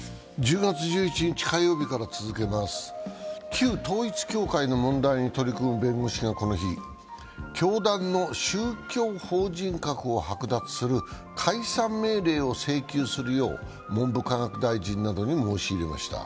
旧統一教会の問題に取り組む弁護士がこの日、教団の宗教法人格を剥奪する解散命令を請求するよう文部科学大臣などに申し入れました。